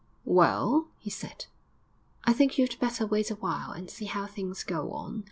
'Well,' he said, 'I think you'd better wait a while and see how things go on.